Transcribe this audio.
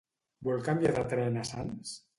Vol canviar de tren a Sants?